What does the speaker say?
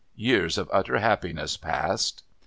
Years of utter happiness passed....